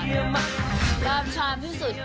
กล้ามชอบที่สุด